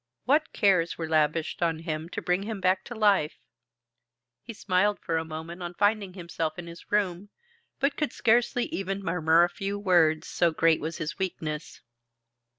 What cares were lavished on him to bring him back to life! He smiled for a moment on finding himself in his room, but could scarcely even murmur a few words, so great was his weakness.